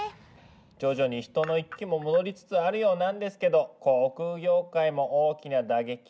徐々に人の行き来も戻りつつあるようなんですけど航空業界も大きな打撃を受けたみたいですよ。